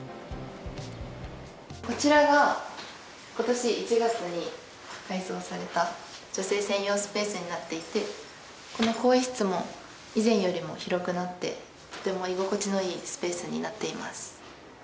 こちらがことし１月に改装された女性専用スペースになっていて、この更衣室も、以前よりも広くなって、とても居心地のいいスペースになっています。